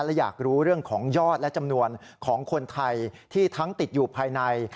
และอยากรู้เรื่องของยอดและจำนวนของคนไทยที่ทั้งติดอยู่ภายใน